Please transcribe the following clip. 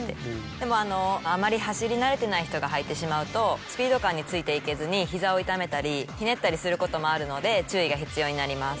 でもあまり走り慣れてない人が履いてしまうとスピード感についていけずに膝を痛めたりひねったりすることもあるので注意が必要になります。